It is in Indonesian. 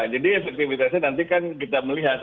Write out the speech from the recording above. jadi efektivitasnya nanti kan kita melihat